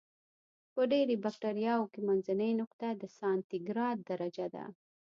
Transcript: په ډېری بکټریاوو کې منځنۍ نقطه د سانتي ګراد درجه ده.